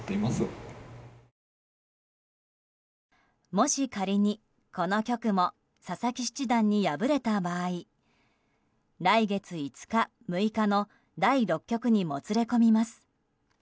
もし仮に、この局も佐々木七段に敗れた場合来月５日、６日の第６局にもつれ込みます。